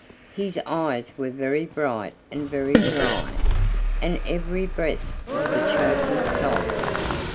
His eyes were very bright and very dry, and every breath was a choking sob.